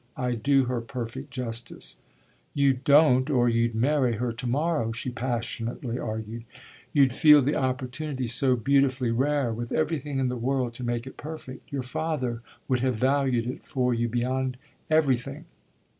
I do her perfect justice." "You don't or you'd marry her to morrow," she passionately argued. "You'd feel the opportunity so beautifully rare, with everything in the world to make it perfect. Your father would have valued it for you beyond everything.